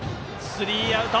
スリーアウト。